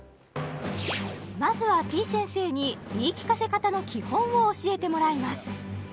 まずはてぃ先生に言い聞かせ方の基本を教えてもらいます